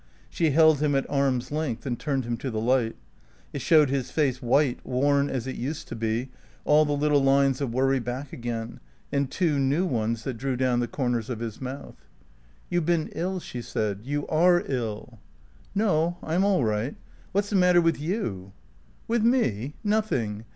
She held him at arm's length and turned him to the light. It showed his face white, worn as it used to be, all the little lines of worry back again, and two new ones that drew down the corners of his mouth. "You've been ill," she said. "You are ill." "No. I'm all right. What's the matter with you?" "With me? Nothing.